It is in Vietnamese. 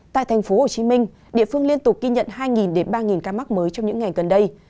tại thành phố hồ chí minh địa phương liên tục ghi nhận hai ba ca mắc mới trong những ngày gần đây